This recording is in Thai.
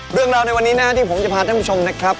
เรื่องราวในวันนี้นะที่ผมจะพาท่านผู้ชมนะครับ